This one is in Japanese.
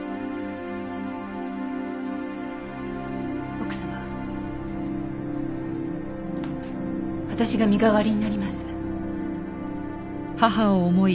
奥様私が身代わりになります。